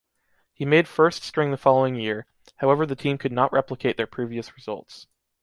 He made first-string the following year, however the team could not replicate their previous results.